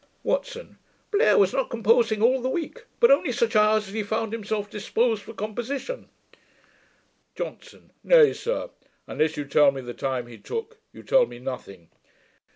WATSON. 'Blair was not composing all the week, but only such hours as he found himself disposed for composition.' JOHNSON. 'Nay, sir, unless you tell me the time he took, you tell me nothing.